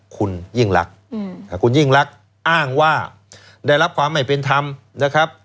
คุณยิ่งรักคุณยิ่งรักอ้างว่าได้รับความไม่เป็นธรรมนะครับ